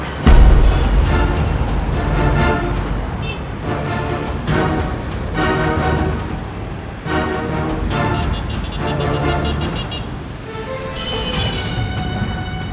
pada saat itu maaf